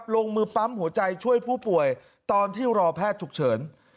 ลงมือปั๊มหัวใจช่วยผู้ป่วยตอนที่รอแพทย์ฉุกเฉิน